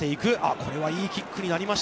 これはいいキックになりました。